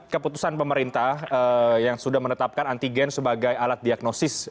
keputusan pemerintah yang sudah menetapkan antigen sebagai alat diagnosis